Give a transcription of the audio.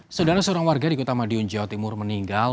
saudara seorang warga di kota madiun jawa timur meninggal